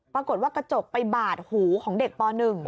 ปรากฏว่ากระจกไปบาดหูของเด็กป๑